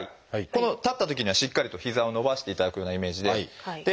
この立ったときにはしっかりと膝を伸ばしていただくようなイメージで。